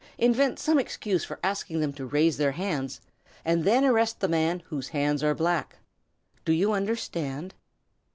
Invent some excuse for asking them to raise their hands, and then arrest the man whose hands are black. Do you understand?"